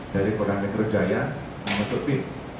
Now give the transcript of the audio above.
dari polda metro jaya membentuk tim